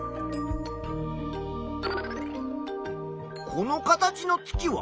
この形の月は？